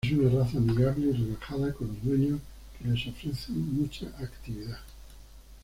Es una raza amigable y relajada con los dueños que los ofrezcan mucha actividad.